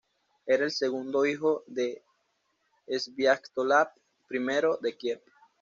Era el segundo hijo de Sviatoslav I de Kiev.